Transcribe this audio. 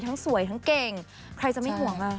ทั้งสวยทั้งเก่งใครจะไม่ห่วงล่ะ